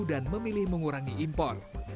dan memilih mengurangi impor